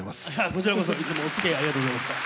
こちらこそいつもおつきあいありがとうございました。